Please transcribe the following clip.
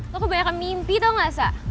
lo kebanyakan mimpi tau gak esa